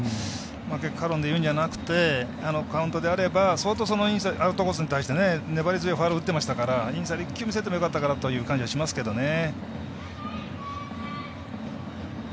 結果論でいうのではなくてカウントであれば相当アウトコースに対して粘り強いファウル打ってましたからインサイド１球見せてもよかったかなという気はしますけどね。